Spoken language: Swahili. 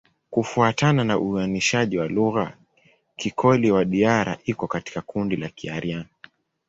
Kufuatana na uainishaji wa lugha, Kikoli-Wadiyara iko katika kundi la Kiaryan.